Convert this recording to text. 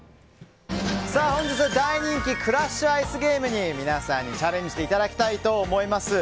本日は大人気クラッシュアイスゲームに皆さんにチャレンジしていただきたいと思います。